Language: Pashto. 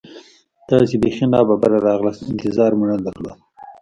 تاسې بیخي نا ببره راغلاست، انتظار مو نه درلود.